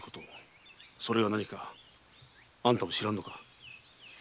それがなにかあんたも知らんのか？